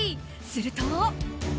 すると。